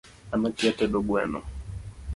An akia tedo gweno